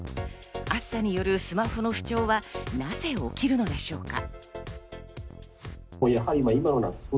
暑さによるスマホの不調はなぜ起きるのでしょうか？